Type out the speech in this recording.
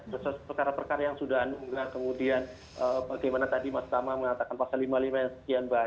khusus perkara perkara yang sudah anugerah kemudian bagaimana tadi mas dama mengatakan pasal lima limanya sekian banyak